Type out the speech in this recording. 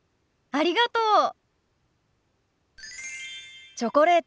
ありがとう。